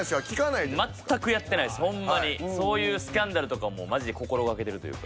そういうスキャンダルとかはマジで心がけてるというか。